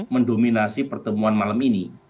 mendominasi pertemuan malam ini